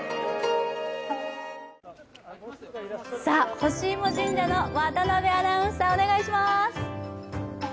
ほしいも神社の渡部アナウンサー、お願いします。